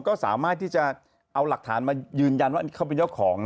ก็สามารถที่จะเอาหลักฐานมายืนยันว่าเขาเป็นเจ้าของ